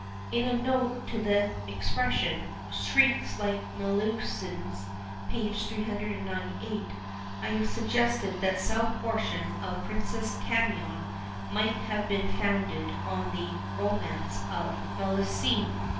In a note to the expression, "shrieks like Melusine's," page 398, I have suggested that some portion of Princess Camion might have been founded on the romance of Melusine.